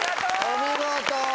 お見事！